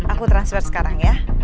aku transfer sekarang ya